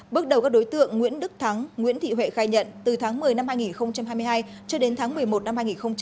bước đầu các đối tượng nguyễn đức thắng nguyễn thị huệ khai nhận từ tháng một mươi năm hai nghìn hai mươi hai cho đến tháng một mươi một năm hai nghìn hai mươi ba